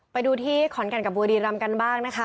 ไปดูที่ขอนแก่นกับบุรีรำกันบ้างนะคะ